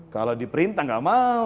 kalau diperintah tidak mau